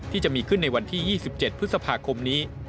ที่จะมีขึ้นในวันที่๒๗พฤษภาคมนี้